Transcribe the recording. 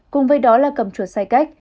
cùng với đó là cầm chuột sai cách